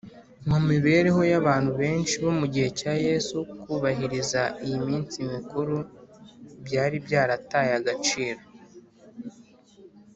Mu mibereho y’abantu benshi bo mu gihe cya Yesu, kubahiriza iyi minsi mikuru byari byarataye agaciro